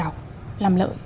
làm giọng làm lợi